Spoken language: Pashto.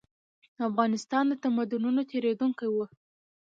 افغانستان د تمدنونو تېرېدونکی و.